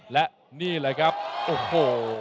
และนี่เลยครับโอ้โห